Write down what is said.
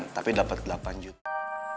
tapi dapet delapan juta